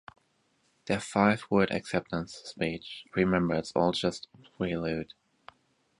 Their five word acceptance speech: Remember, it's all just prelude.